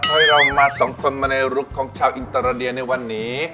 ให้เรามาสองคนมาในรุกของชาวอินตราเดียในวันนี้